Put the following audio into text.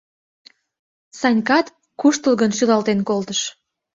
Санькат куштылгын шӱлалтен колтыш.